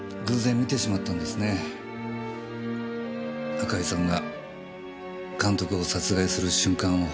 赤井さんが監督を殺害する瞬間を。